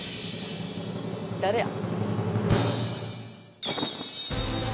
誰や。